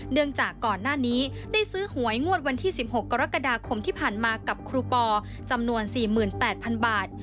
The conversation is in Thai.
เนื่องจากก่อนหน้านี้ได้ซื้อหวยงวดวันที่สิบหกกรกฎาคมที่ผ่านมากับครูปอร์จำนวนสี่หมื่นแปดพันบาท